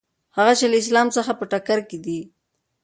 هغه چې له اسلام سره په ټکر کې دي.